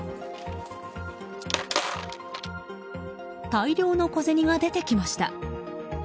大量の小銭が出てきました。